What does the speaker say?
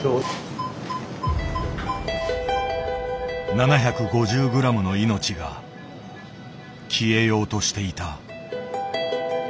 ７５０グラムの命が消えようとしていた。